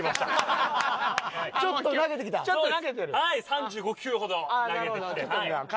３５球ほど投げてきて調整して。